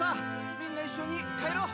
みんないっしょに帰ろう。